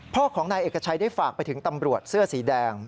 พ่อของนายเอกชัยได้ฝากไปถึงตำรวจเสื้อสีแดง